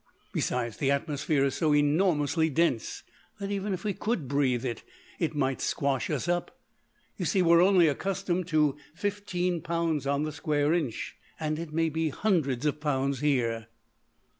Besides, the atmosphere is so enormously dense that even if we could breathe it it might squash us up. You see we're only accustomed to fifteen pounds on the square inch, and it may be hundreds of pounds here."